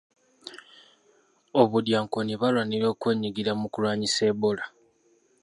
Obudyankoni bwalina okwenyigira mu kulwanyisa Ebola.